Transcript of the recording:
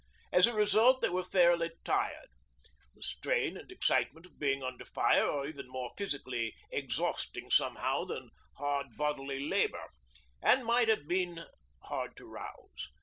As a result they were fairly tired the strain and excitement of being under fire are even more physically exhausting somehow than hard bodily labour and might have been hard to rouse.